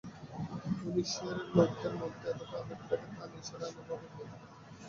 পুলিশের লোকদের মধ্যে এতটা আবেগ থাকে, তা নিসার আলি ভাবেন নি।